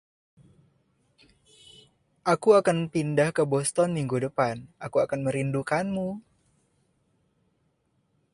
"Aku akan pindah ke Boston minggu depan." "Aku akan merindukanmu."